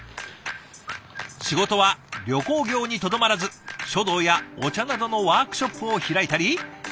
仕事は旅行業にとどまらず書道やお茶などのワークショップを開いたり。